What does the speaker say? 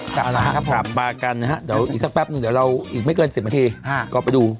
กับมากันนะครับเดี๋ยวอีกสักแป๊บนึงเดี๋ยวเราอีกไม่เกิน๑๐นาทีก็ไปดู